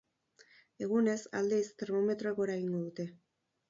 Egunez, aldiz, termometroek gora egingo dute.